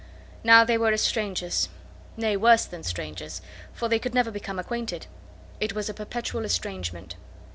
Now they were as strangers; nay, worse than strangers, for they could never become acquainted. It was a perpetual estrangement.